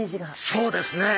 そうですね。